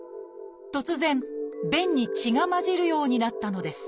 突然便に血が混じるようになったのです